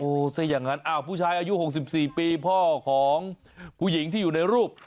ซะอย่างนั้นอ้าวผู้ชายอายุ๖๔ปีพ่อของผู้หญิงที่อยู่ในรูป